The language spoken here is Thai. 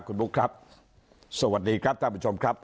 สวัสดีครับคุณลุกครับสวัสดีครับท่านผู้ชมครับ